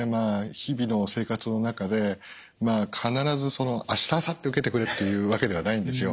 日々の生活の中で必ずその明日あさって受けてくれというわけではないんですよ。